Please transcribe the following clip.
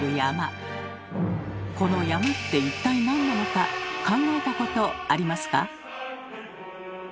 この山って一体なんなのか考えたことありますか？